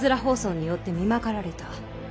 疱瘡によってみまかられた。